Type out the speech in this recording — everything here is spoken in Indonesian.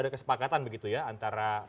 ada kesepakatan begitu ya antara